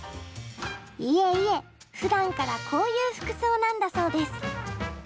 いえいえふだんからこういう服装なんだそうです。